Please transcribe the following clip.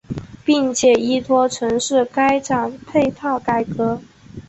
并且依托城市开展配套改革。